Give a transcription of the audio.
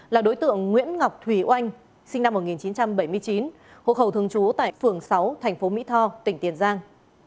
là đối tượng nguyễn ngọc thùy oanh sinh năm một nghìn chín trăm bảy mươi chín hộ khẩu thường trú tại phường sáu thành phố mỹ tho tỉnh tiền giang